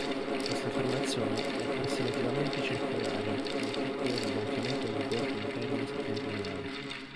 Questa formazione è approssimativamente circolare, con un piccolo rigonfiamento nel bordo interno settentrionale.